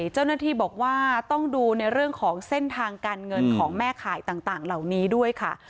เจ้าหน้าที่บอกว่าต้องดูในเรื่องของเส้นทางการเงินของแม่ข่ายต่างเหล่านี้ด้วยค่ะ